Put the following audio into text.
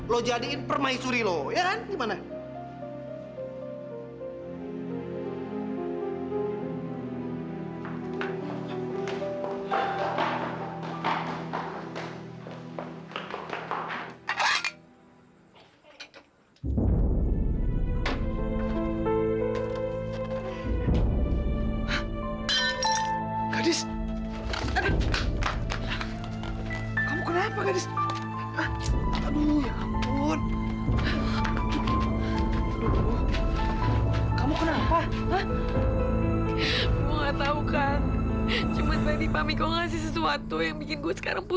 lo jadiin permaisuri lo ya kan gimana